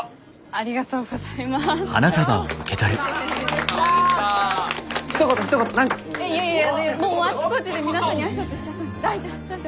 いやいやいやもうあちこちで皆さんに挨拶しちゃったので。